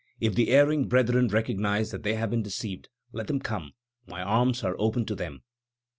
If the erring brethren recognize that they have been deceived, let them come; my arms are open to them."